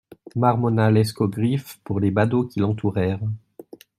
Marmonna l'escogriffe pour les badauds qui l'entourèrent.